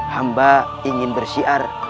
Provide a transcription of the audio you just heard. hamba ingin bersiar